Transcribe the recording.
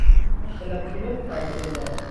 چلپ چلوپ در گل و لای